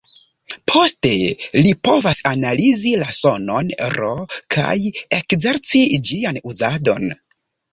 Poste li povas analizi la sonon "r", kaj ekzerci ĝian uzadon.